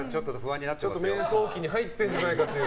迷走期に入ってるんじゃないかと。